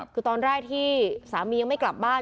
คือตอนแรกที่สามียังไม่กลับบ้าน